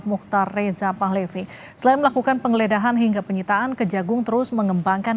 mukhtar reza pahlevi selain melakukan penggeledahan hingga penyitaan kejagung terus mengembangkan